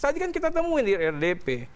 tadi kan kita temuin di rdp